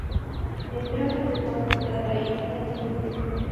Entró en el grupo dadaísta en Toulon.